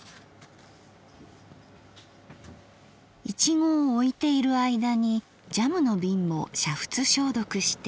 苺をおいている間にジャムの瓶も煮沸消毒して。